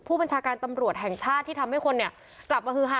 ผู้บัญชาการตำรวจแห่งชาติที่ทำให้คนเนี่ยกลับมาฮือฮา